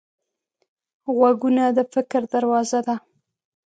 غوږونه د فکر دروازه ده